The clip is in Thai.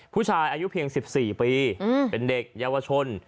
ผู้ชายอายุเพียง๑๔ปีเป็นเด็กเยาวชน